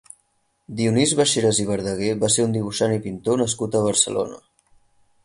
Dionís Baixeras i Verdaguer va ser un dibuixant i pintor nascut a Barcelona.